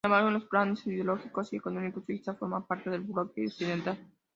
Sin embargo, en los planos ideológico y económico, Suiza formaba parte del bloque occidental.